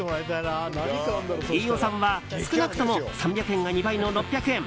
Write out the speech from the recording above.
飯尾さんは少なくとも３００円が２倍の６００円。